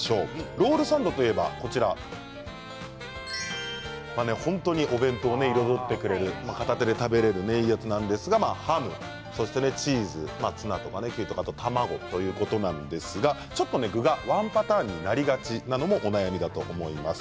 ロールサンドといえば本当にお弁当を彩ってくれる片手で食べるやつなんですがハム、チーズ、ツナとか卵ということなんですが具がワンパターンになりがちなのもお悩みだと思います。